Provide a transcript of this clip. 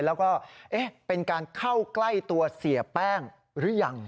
แล้วก็เป็นการเข้าใกล้ตัวเสียแป้งหรือยัง